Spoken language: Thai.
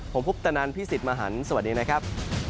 ผมพุทธนันพี่สิทธิ์มหันฯสวัสดีนะครับ